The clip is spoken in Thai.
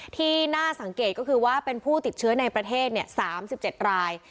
ที่น่าสังเกตก็คือว่าเป็นผู้ติดเชื้อในประเทศเนี่ยสามสิบเจ็ดราย